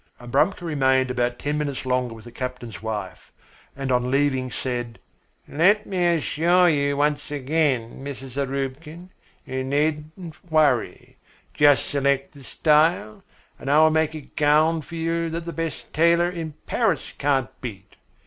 Abramka remained about ten minutes longer with the captain's wife, and on leaving said: "Let me assure you once again, Mrs. Zarubkin, you needn't worry; just select the style, and I will make a gown for you that the best tailor in Paris can't beat."